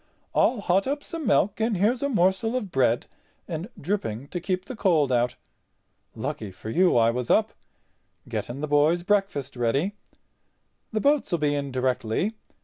I'll hot up some milk and here's a morsel of bread and dripping to keep the cold out. Lucky for you I was up—getting the boys' breakfast ready. The boats'll be in directly.